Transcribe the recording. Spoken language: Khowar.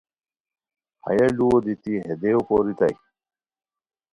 ہیہ لوؤ دیتی ہے دیو پوریتائے